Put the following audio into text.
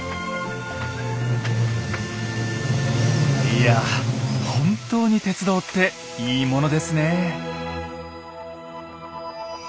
いや本当に鉄道っていいものですねえ。